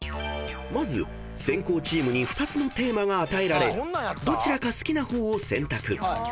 ［まず先攻チームに２つのテーマが与えられどちらか好きな方を選択］